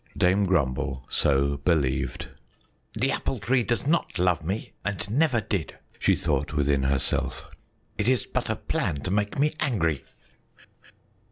Dame Grumble so believed. "The Apple Tree does not love me and never did," she thought within herself; "it is but a plan to make me angry."